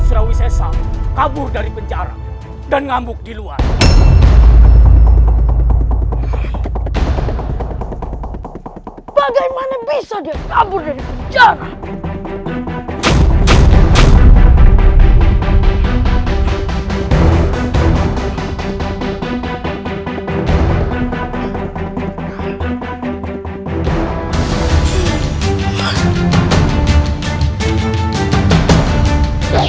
surawi sesang kabur dari penjara dan ngamuk di luar bagaimana bisa dia kabur dari penjara